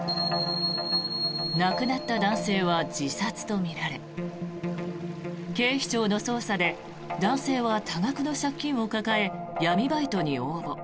亡くなった男性は自殺とみられ警視庁の捜査で男性は多額の借金を抱え闇バイトに応募。